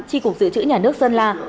tri cục dự trữ nhà nước sơn la